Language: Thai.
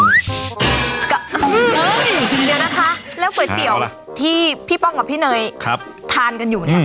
เดี๋ยวนะคะแล้วก๋วยเตี๋ยวที่พี่ป้องกับพี่เนยทานกันอยู่เนี่ย